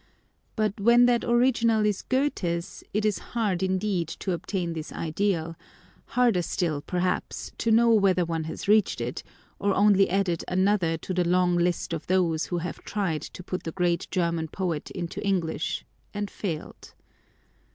But when that original is Goethe’s, it is hard indeed to obtain this ideal ; harder still, perhaps, to know whether one has reached it, or only added another to the long list of those who have tried to put the great German poet into English, and failed.